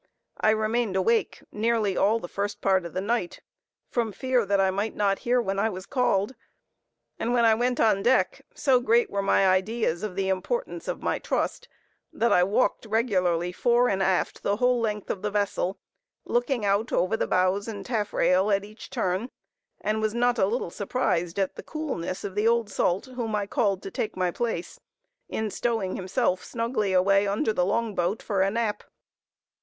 I remained awake nearly all the first part of the night from fear that I might not hear when I was called; and when I went on deck, so great were my ideas of the importance of my trust, that I walked regularly fore and aft the whole length of the vessel, looking out over the bows and taffrail at each turn, and was not a little surprised at the coolness of the old salt whom I called to take my place, in stowing himself snugly away under the long boat, for a nap.